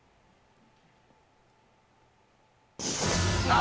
あ！